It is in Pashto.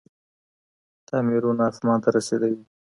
تعميرونه اسمان ته رسېدلي دي.